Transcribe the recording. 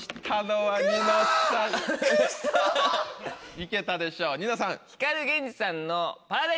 行けたでしょニノさん。